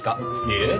いえ。